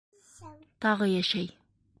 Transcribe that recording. Тағы йәшәй.